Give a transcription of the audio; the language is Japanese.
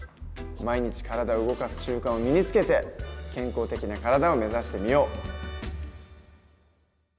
毎日体を動かす習慣を身につけて健康的な体を目指してみよう。